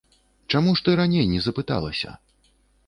Чаму ж ты раней не запыталася?